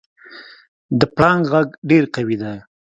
د پړانګ غږ ډېر قوي دی.